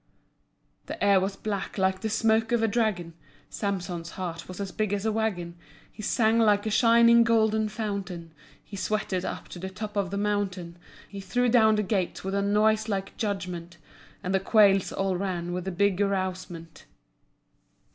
The air was black, like the smoke of a dragon. Samson's heart was as big as a wagon. He sang like a shining golden fountain. He sweated up to the top of the mountain. He threw down the gates with a noise like judgment. And the quails all ran with the big arousement.